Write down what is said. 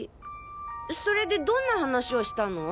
それでどんな話をしたの？